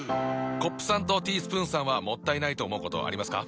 コップさんとティースプーンさんはもったいないと思うことありますか？